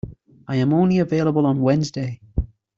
I am only available on Wednesday.